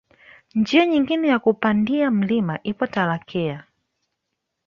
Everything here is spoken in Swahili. Njia nyingine ya kupandia mlima ipo Tarakea